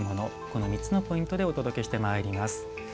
この３つのポイントでお届けしてまいります。